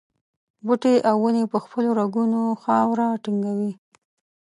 بوټي او ونې په خپلو رګونو خاوره ټینګوي.